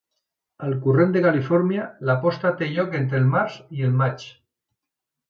Al corrent de Califòrnia, la posta té lloc entre el març i el maig.